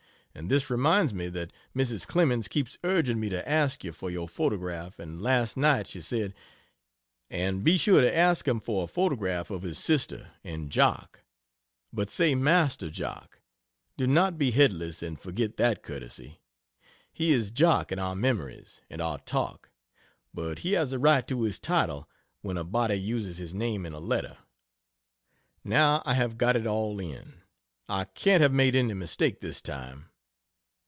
And this reminds me that Mrs. Clemens keeps urging me to ask you for your photograph and last night she said, "and be sure to ask him for a photograph of his sister, and Jock but say Master Jock do not be headless and forget that courtesy; he is Jock in our memories and our talk, but he has a right to his title when a body uses his name in a letter." Now I have got it all in I can't have made any mistake this time.